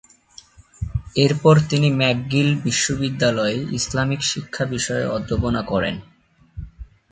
এরপর তিনি ম্যাকগিল বিশ্ববিদ্যালয়ে ইসলামিক শিক্ষা বিষয়ে অধ্যাপনা করেন।